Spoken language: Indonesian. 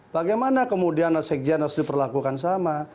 bagaimana kemudian sekjen harus diperlakukan sama